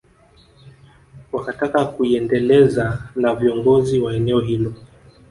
Wakataka kuiendeleza na viongozi wa eneo hilo